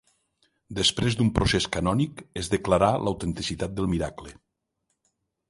Després d'un procés canònic es declarà l'autenticitat del miracle.